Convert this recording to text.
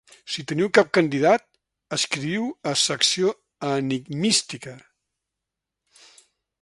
Si teniu cap candidat, escriviu a Secció Enigmística.